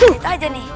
wah lihat aja nih